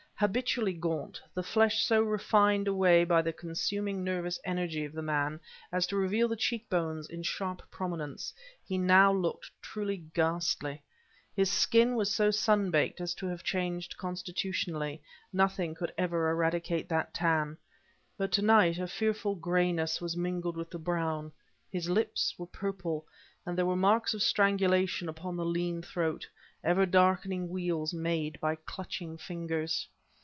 Habitually gaunt, the flesh so refined away by the consuming nervous energy of the man as to reveal the cheekbones in sharp prominence, he now looked truly ghastly. His skin was so sunbaked as to have changed constitutionally; nothing could ever eradicate that tan. But to night a fearful grayness was mingled with the brown, his lips were purple... and there were marks of strangulation upon the lean throat ever darkening weals made by clutching fingers.